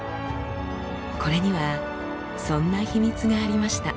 これにはそんなヒミツがありました。